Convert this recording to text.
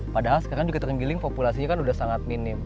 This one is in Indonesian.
padahal sekarang juga terenggiling populasinya kan sudah sangat minim